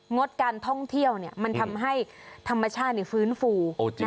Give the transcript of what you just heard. งดการท่องเที่ยวมันทำให้ธรรมชาติฟื้นฟู